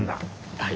はい。